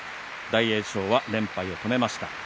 大栄翔は連敗を止めました。